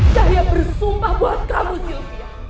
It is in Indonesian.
saya bersumpah buat kamu silvia